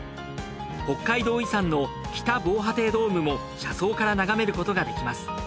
北海道遺産の北防波堤ドームも車窓から眺めることができます。